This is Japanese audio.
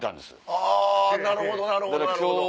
あぁなるほどなるほど。